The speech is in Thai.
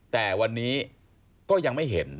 แต่วันนี้ก็ยังไม่เห็น